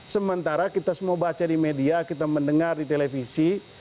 sementara kita semua baca di media kita mendengar di televisi